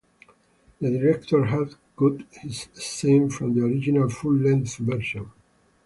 The director had cut this scene from the original 'full-length' version.